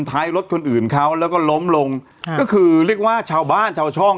ท้ายรถคนอื่นเขาแล้วก็ล้มลงค่ะก็คือเรียกว่าชาวบ้านชาวช่อง